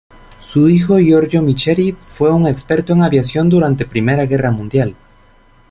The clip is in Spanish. Su hijo, Giorgio Michetti, fue un experto en aviación durante Primera Guerra mundial.